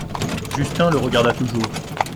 Justin le regarda toujours.